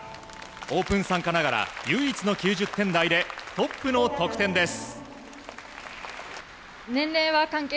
オープン参加ながら唯一の９０点台でトップの得点です。